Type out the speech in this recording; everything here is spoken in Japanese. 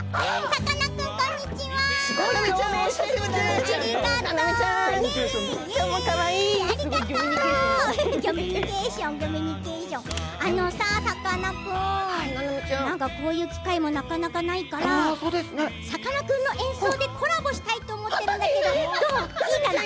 さかなクン、こういう機会もなかなかないからさかなクンの演奏でコラボしたいと思っているんだけどいいかな？